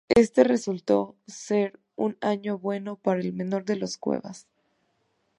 Este resultó ser un año muy bueno para el menor de los Cuevas.